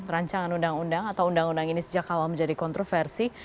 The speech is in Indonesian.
rancangan undang undang atau undang undang ini sejak awal menjadi kontroversi